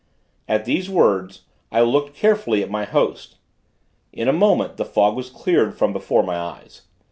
At these words, I looked carefully at my host. In a moment the fog was cleared from before my eyes.